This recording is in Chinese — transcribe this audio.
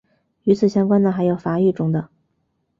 与此相关的还有法语中的。